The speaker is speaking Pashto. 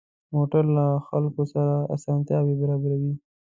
موټر له خلکو سره اسانتیا برابروي.